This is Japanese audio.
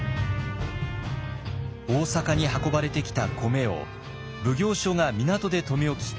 大坂に運ばれてきた米を奉行所が港で留め置き